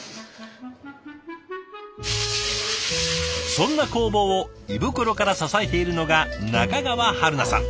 そんな工房を胃袋から支えているのが中川春菜さん。